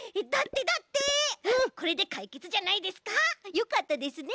よかったですね